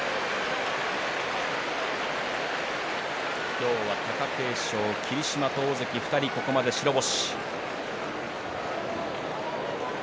今日は、貴景勝、霧島と大関２人、ここまで白星。